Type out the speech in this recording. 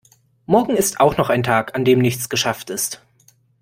Morgen ist auch noch ein Tag an dem nichts geschafft ist.